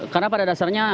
karena pada dasarnya